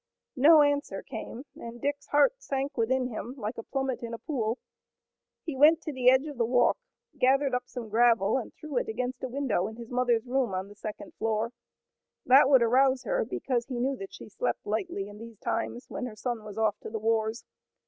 No answer came and Dick's heart sank within him like a plummet in a pool. He went to the edge of the walk, gathered up some gravel and threw it against a window in his mother's room on the second floor. That would arouse her, because he knew that she slept lightly in these times, when her son was off to the wars.